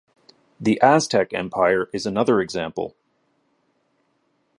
The Aztec Empire is another example.